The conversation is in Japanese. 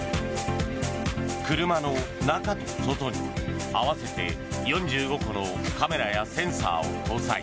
車の中と外に合わせて４５個のカメラやセンサーを搭載。